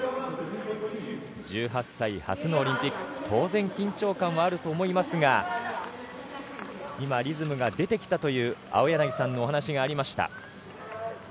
１８歳、初のオリンピック当然緊張感もあると思いますが今、リズムが出てきたという青柳さんのお話がありました。